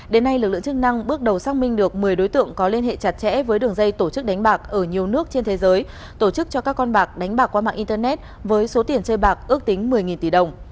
đến nay lực lượng chức năng bước đầu xác minh được một mươi đối tượng có liên hệ chặt chẽ với đường dây tổ chức đánh bạc ở nhiều nước trên thế giới tổ chức cho các con bạc đánh bạc qua mạng internet với số tiền chơi bạc ước tính một mươi tỷ đồng